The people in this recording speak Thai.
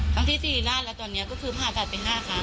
ทั้งที่๔หน้าและตอนนี้ก็คือผ่าตัดไป๕ครั้ง